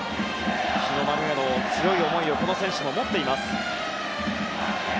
日の丸への強い思いをこの選手も持っています。